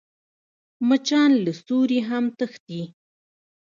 مچان له سیوري هم تښتي